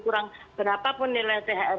kurang berapa pun nilai thr